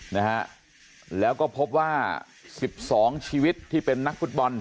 นะฮะแล้วก็พบว่าสิบสองชีวิตที่เป็นนักฟุตบอล